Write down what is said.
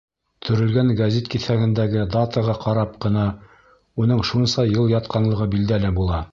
Төрөлгән гәзит киҫәгендәге датаға ҡарап ҡына уның шунса йыл ятҡанлығы билдәле була.